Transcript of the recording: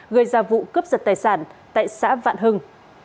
gây ra vụ cướp giật tài sản tại xã vạn hưng